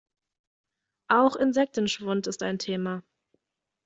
Auch Insektenschwund ist ein Thema.